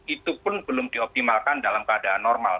itu pun belum dioptimalkan dalam keadaan normal